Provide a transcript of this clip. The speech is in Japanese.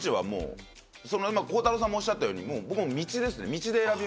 孝太郎さんもおっしゃったように僕も。